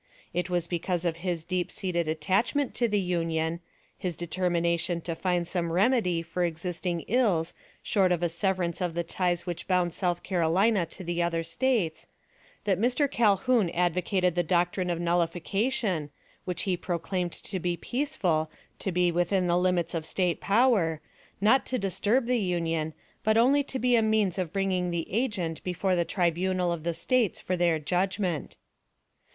It was because of his deep seated attachment to the Union his determination to find some remedy for existing ills short of a severance of the ties which bound South Carolina to the other States that Mr. Calhoun advocated the doctrine of nullification, which he proclaimed to be peaceful, to be within the limits of State power, not to disturb the Union, but only to be a means of bringing the agent before the tribunal of the States for their judgment.